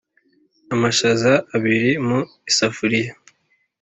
amashaza abiri mu isafuriya